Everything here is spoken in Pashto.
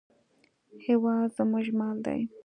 هېواد زموږ مال دی